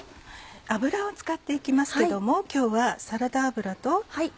油を使って行きますけども今日はサラダ油と。